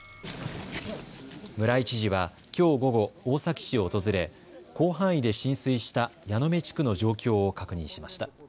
村井知事はきょう午後、大崎市を訪れ広範囲で浸水した矢野目地区の状況を確認しました。